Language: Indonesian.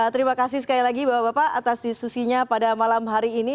terima kasih sekali lagi bapak bapak atas diskusinya pada malam hari ini